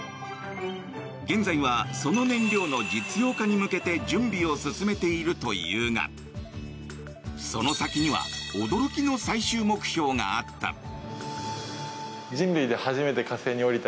現在はその燃料の実用化に向けて準備を進めているというがその先には驚きの最終目標があった。